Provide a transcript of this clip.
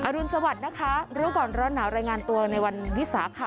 รุนสวัสดิ์นะคะรู้ก่อนร้อนหนาวรายงานตัวในวันวิสาขะ